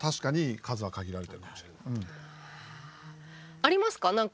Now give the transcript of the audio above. ありますか何か？